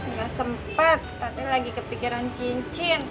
gak sempet tati lagi kepikiran cincin